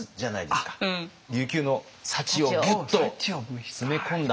琉球の幸をギュッと詰め込んだ。